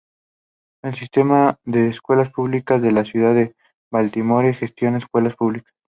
El Sistema de Escuelas Públicas de la Ciudad de Baltimore gestiona escuelas públicas.